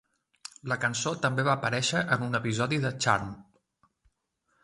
La cançó també va aparèixer en un episodi de "Charmed".